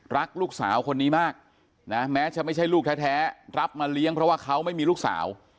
รักลูกสาวคนนี้มากนะแม้จะไม่ใช่ลูกแท้รับมาเลี้ยงเพราะว่าเขาไม่มีลูกสาว